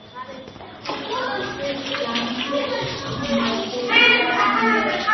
ღარიბი კაცის პურის ჭამა მადლიანიაო